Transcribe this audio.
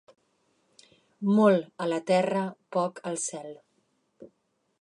Molt a la terra, poc al cel.